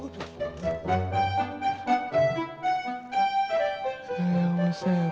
saya mau servis